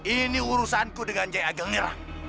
ini urusanku dengan nyai ageng nira